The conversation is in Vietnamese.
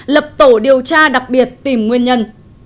lập tổ điều tra đặc biệt tìm nguyên nhân